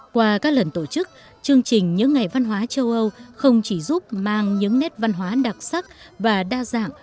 qua các lần tổ chức chương trình những ngày văn hóa châu âu không chỉ giúp mang những nét văn hóa đặc sắc và đa dạng